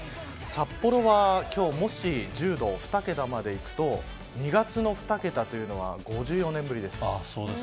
札幌は今日もし１０度２桁までいくと２月の２桁というのは５４年ぶりです。